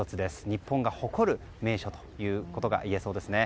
日本が誇る名所ということがいえそうですね。